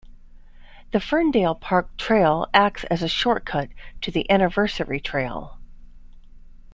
The Ferndale Park Trail acts as a short cut to the Anniversary Trail.